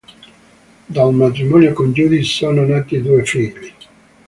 Dal matrimonio con Judy sono nati due figli.